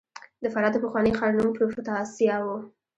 د فراه د پخواني ښار نوم پروفتاسیا و